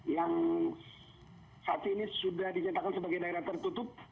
yang saat ini sudah dinyatakan sebagai daerah tertutup